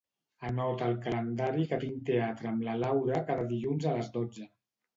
Anota al calendari que tinc teatre amb la Laura cada dilluns a les dotze.